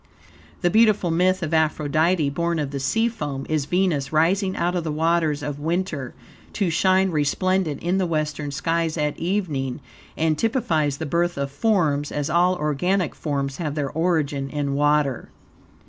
The beautiful myth of Aphrodite, born of the sea foam, is Venus rising out of the waters of winter, to shine resplendent in the western skies at evening, and typifies the birth of forms, as all organic forms have their origin in water.